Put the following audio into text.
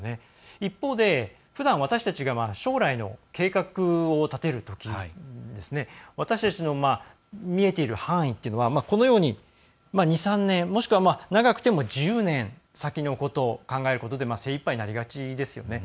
一方で、ふだん私たちが将来の計画を立てるとき私たちの見えている範囲というのはこのように２３年、もしくは長くても１０年先のことを考えることで精いっぱいになりがちですよね。